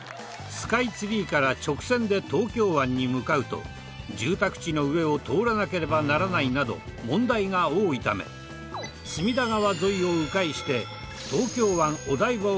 スカイツリーから直線で東京湾に向かうと住宅地の上を通らなければならないなど問題が多いため隅田川沿いを迂回して東京湾お台場を目指す